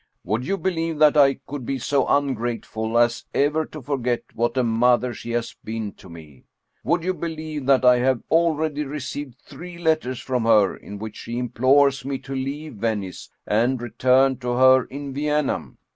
Would you believe that I could be so ungrateful as ever to forget what a mother she has been to me ? Would 66 Paul Heyse you believe that I have already received three letters from her, in which she implores me to leave Venice and return to her in Vienna ?